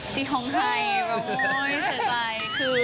สิห้องไห่โอ๊ยเสียใจ